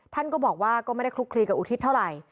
ท่านก็บอกว่าก็ไม่ได้คลุกคลีกับอุทิศเท่าไหร่